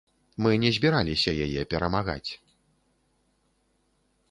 Мы не збіраліся яе перамагаць.